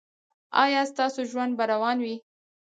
ایا ستاسو ژوند به روان وي؟